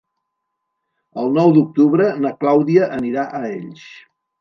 El nou d'octubre na Clàudia anirà a Elx.